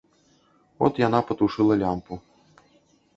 От яна патушыла лямпу.